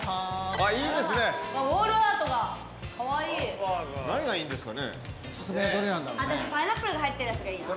あたしパイナップルが入ってるやつがいいな。